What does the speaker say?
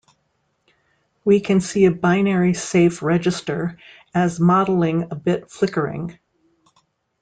We can see a binary safe register as modeling a bit flickering.